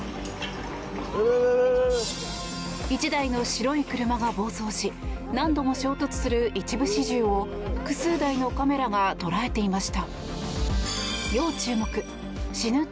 １台の白い車が暴走し何度も衝突する一部始終を複数台のカメラが捉えていました。